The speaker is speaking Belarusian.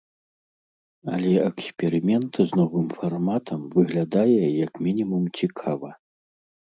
Але эксперымент з новым фарматам выглядае як мінімум цікава.